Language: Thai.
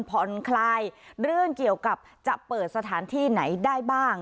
ผ่อนคลายเรื่องเกี่ยวกับจะเปิดสถานที่ไหนได้บ้าง